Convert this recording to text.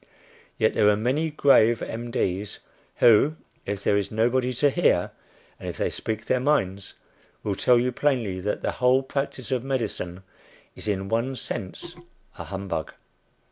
Yet there are many grave M. D.'s who, if there is nobody to hear, and if they speak their minds, will tell you plainly that the whole practice of medicine is in one sense a humbug.